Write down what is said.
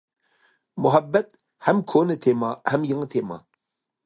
مۇھەببەت ھەم كونا تېما، ھەم يېڭى تېما.